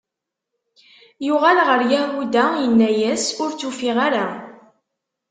Yuɣal ɣer Yahuda, inna-yas: Ur tt-ufiɣ ara.